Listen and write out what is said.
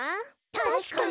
たしかに。